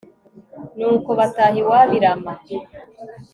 nuko bataha iwabo i rama